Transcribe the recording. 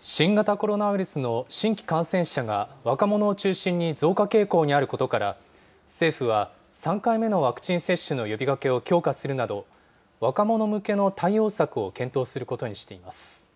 新型コロナウイルスの新規感染者が若者を中心に増加傾向にあることから、政府は３回目のワクチン接種の呼びかけを強化するなど、若者向けの対応策を検討することにしています。